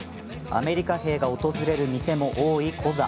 アメリカ兵が訪れる店も多いコザ。